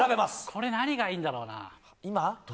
これ何がいいんだろうな。